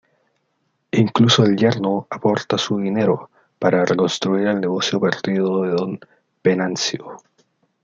Incluso el yerno aporta su dinero para reconstruir el negocio perdido de Don Venancio.